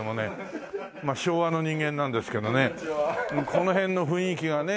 この辺の雰囲気がね